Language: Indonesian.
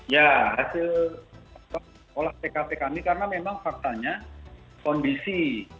ya hasil olah tkp kami karena memang faktanya kondisi